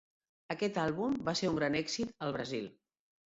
Aquest àlbum va ser un gran èxit al Brasil.